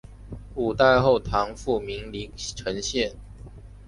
五代后唐复名黎城县。